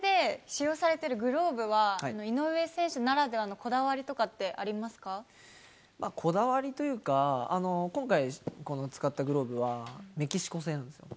試合で使用されているグローブは、井上選手ならではのこだわこだわりというか、今回、この使ったグローブはメキシコ製です。